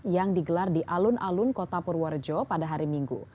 yang digelar di alun alun kota purworejo pada hari minggu